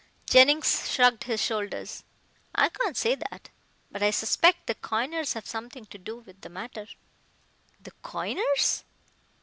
Jennings shrugged his shoulders. "I can't say that. But I suspect the coiners have something to do with the matter." "The coiners?"